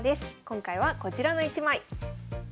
今回はこちらの一枚。